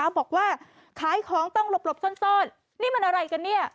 บอกว่าขายของต้องหลบซ่อนนี่มันอะไรกันเนี่ย